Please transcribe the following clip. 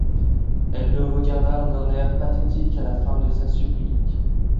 Elle le regarda d'un air pathétique à la fin de sa supplique.